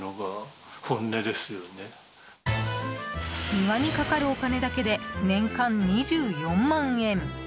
庭にかかるお金だけで年間２４万円。